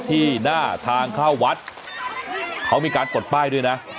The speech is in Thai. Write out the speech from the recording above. ที่หน้าทางเข้าวัดเขามีการปลดป้ายด้วยนะ